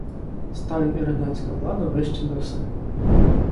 Сталін і радянська влада вищі за все.